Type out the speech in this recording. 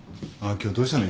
今日どうしたの？